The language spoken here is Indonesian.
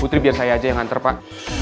putri biar saya aja yang nganter pak